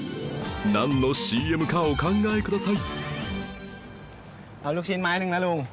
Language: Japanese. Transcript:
なんの ＣＭ かお考えください